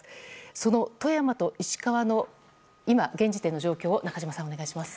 その富山と石川の現時点の状況を中島さんよろしくお願いします。